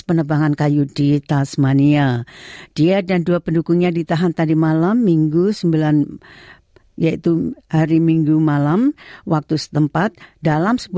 perkembangan kewajiban orang australia untuk memiliki tujuan simbolis